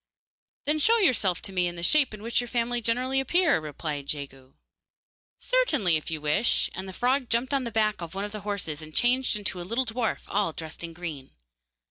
'Then show yourself to me in the shape in which your family generally appear,' replied Jegu. 'Certainly, if you wish,' and the frog jumped on the back of one of the horses, and changed into a little dwarf, all dressed in green.